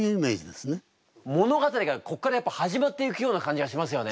物語がここからやっぱ始まっていくような感じがしますよね。